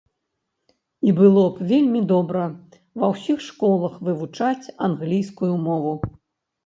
І было б вельмі добра ва ўсіх школах вывучаць англійскую мову.